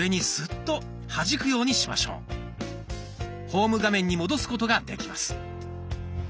ホーム画面に戻すことができます。